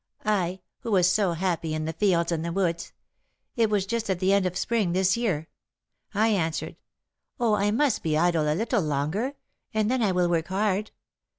I, who was so happy in the fields and the woods, it was just at the end of spring, this year, I answered, 'Oh, I must be idle a little longer, and then I will work hard.'